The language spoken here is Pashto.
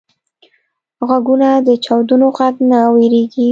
غوږونه د چاودنو غږ نه وېریږي